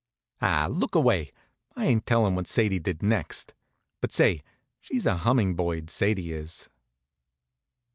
Ah, look away! I ain't tellin' what Sadie did next. But say, she's a hummin' bird, Sadie is.